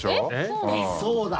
そうだ！